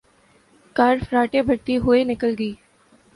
کار فراٹے بھرتی ہوئے نکل گئی